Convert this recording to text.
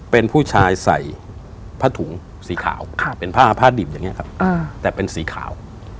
เป็นผู้ชายใส่ผ้าถุงสีขาวเป็นผ้าผ้าดิบอย่างนี้ครับแต่เป็นสีขาว